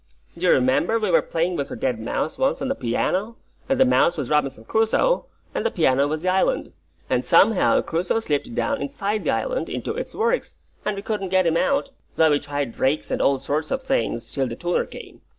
Do you remember we were playing with a dead mouse once on the piano, and the mouse was Robinson Crusoe, and the piano was the island, and somehow Crusoe slipped down inside the island, into its works, and we couldn't get him out, though we tried rakes and all sorts of things, till the tuner came.